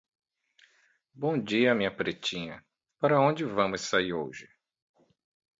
Bom dia minha pretinha, para onde vamos sair hoje?